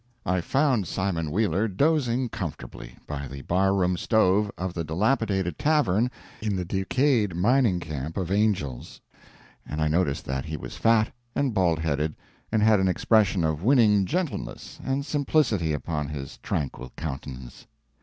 I found Simon Wheeler dozing comfortably by the bar room stove of the dilapidated tavern in the decayed mining camp of Angel's, and I noticed that he was fat and bald headed, and had an expression of winning gentleness and simplicity upon his tranquil countenance.